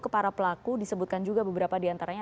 ke para pelaku disebutkan juga beberapa diantaranya